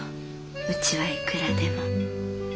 うちはいくらでも。